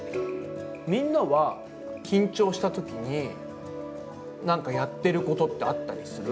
みんなは緊張したときに、なんかやってることってあったりする？